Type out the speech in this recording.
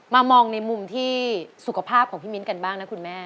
มองในมุมที่สุขภาพของพี่มิ้นกันบ้างนะคุณแม่